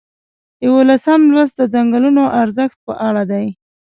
یوولسم لوست د څنګلونو ارزښت په اړه دی.